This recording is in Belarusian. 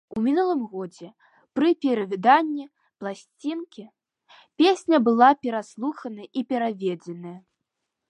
У мінулым годзе пры перавыданні пласцінкі песня была пераслуханая і перазведзеная.